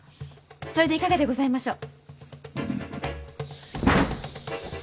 それでいかがでございましょう？